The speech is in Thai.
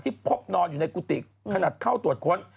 พบนอนอยู่ในกุฏิขนาดเข้าตรวจค้น